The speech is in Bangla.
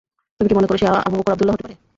তুমি কি মনে কর, সে আবু বকর আবদুল্লাহ হতে পারে?